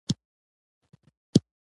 ناحقه سر و دار ته نه ځي.